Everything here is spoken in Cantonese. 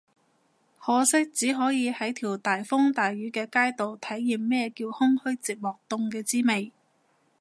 可惜只可以喺條大風大雨嘅街度體驗咩叫空虛寂寞凍嘅滋味